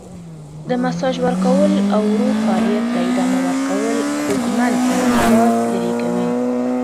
د ماساژ ورکول او ورو فعالیت ته ادامه ورکول خوږمن انقباض لرې کوي.